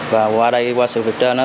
và qua đây qua sự việc trên